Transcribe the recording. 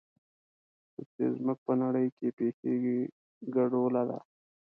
څه چې زموږ په نړۍ کې پېښېږي ګډوله ده.